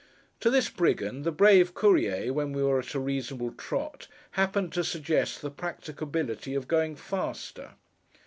To this Brigand, the brave Courier, when we were at a reasonable trot, happened to suggest the practicability of going faster.